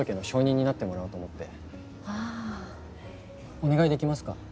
お願いできますか？